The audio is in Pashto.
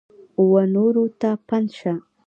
ونورو ته پند شه !